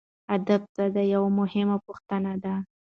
ادب څه دی یوه مهمه پوښتنه ده.